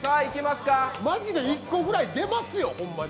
マジで１個ぐらい出ますよ、ほんまに。